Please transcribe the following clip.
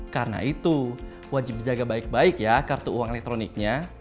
karena itu wajib jaga baik baik ya kartu uang elektroniknya